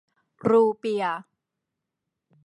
รูเปียห์